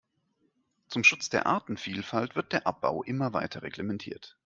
Zum Schutz der Artenvielfalt wird der Abbau immer weiter reglementiert.